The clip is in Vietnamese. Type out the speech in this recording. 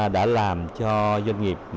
đã làm cho doanh nghiệp